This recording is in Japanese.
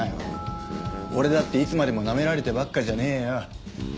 俺だっていつまでもなめられてばっかじゃねえよ。